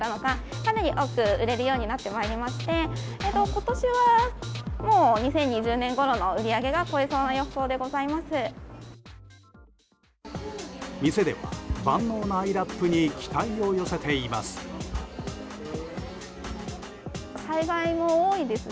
今年は２０２０年ごろの売り上げが超えそうな予想でございます。